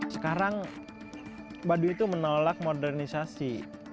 sekarang baduy itu menolak modernisasi